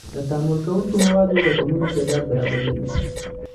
د تعامل کوونکو موادو د اتومونو تعداد برابریږي.